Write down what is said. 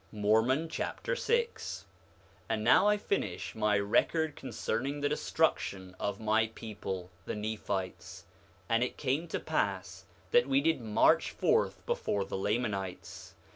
Mormon Chapter 6 6:1 And now I finish my record concerning the destruction of my people, the Nephites. And it came to pass that we did march forth before the Lamanites.